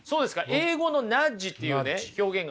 英語のナッジっていう表現がありましてね